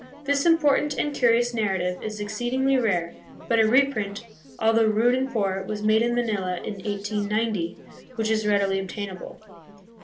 This important and curious narrative is exceed ingly rare, but a reprint, although rude and poor, was made in Manila in 1890, which is readily obtainable.